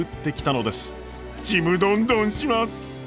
ちむどんどんします！